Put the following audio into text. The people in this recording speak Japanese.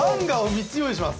３つ用意します。